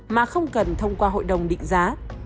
mà không cần thông qua hội đồng định giá